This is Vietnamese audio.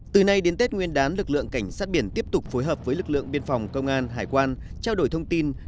từ nay đến tết nguyên đán lực lượng cảnh sát biển tiếp tục phối hợp với lực lượng biên phòng công an hải quan trao đổi thông tin